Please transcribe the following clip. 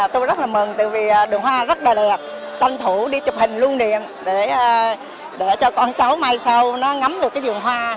tôi rất là mừng vì đường hoa rất là đẹp tâm thủ đi chụp hình luôn đi để cho con cháu mai sau ngắm được đường hoa